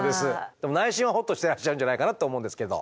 でも内心はホッとしてらっしゃるんじゃないかなと思うんですけど。